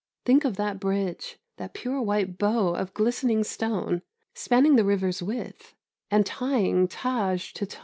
Think of that bridge, that pure white bow of glistening stone, spanning the river's width, and tying Tâj to Tâj!